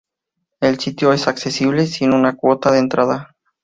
El sitio es accesible sin una cuota de entrada.